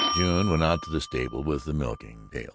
June went out to the stable with the milking pail.